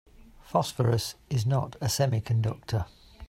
Phosphorus is not a semiconductor.